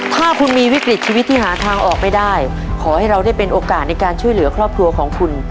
ถ้าคุณมีวิกฤตชีวิตที่หาทางออกไม่ได้ขอให้เราได้เป็นโอกาสในการช่วยเหลือครอบครัวของคุณ